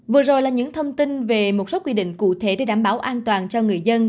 vừa rồi là những thông tin về một số quy định cụ thể để đảm bảo an toàn cho người dân